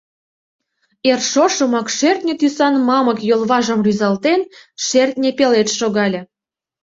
Эр шошымак шӧртньӧ тӱсан мамык йолважым рӱзалтен, шертне пелед шогале.